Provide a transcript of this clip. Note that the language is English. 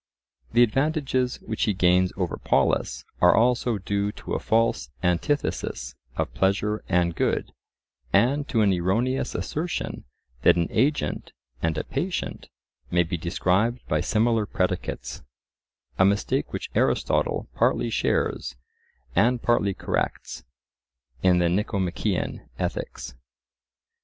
The advantages which he gains over Polus are also due to a false antithesis of pleasure and good, and to an erroneous assertion that an agent and a patient may be described by similar predicates;—a mistake which Aristotle partly shares and partly corrects in the Nicomachean Ethics.